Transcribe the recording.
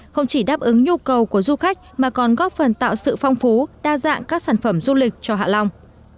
không chỉ đáp ứng nhu cầu của du khách mà còn góp phần tạo sự phong phú đa dạng các sản phẩm du lịch cho hạ long